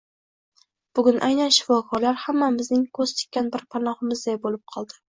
Bugun aynan shifokorlar hammamizning koʻz tikkan bir panohimizday boʻlib qoldi.